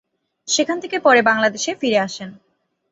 সেখান থেকে পরে বাংলাদেশে ফিরে আসেন।